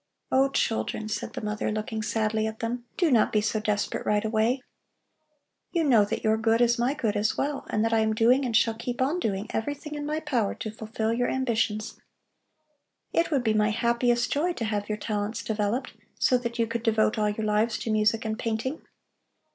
"Oh, children," said the mother, looking sadly at them, "do not be so desperate right away. You know that your good is my good as well, and that I am doing and shall keep on doing everything in my power to fulfill your ambitions. It would be my happiest joy to have your talents developed, so that you could devote all your lives to music and painting.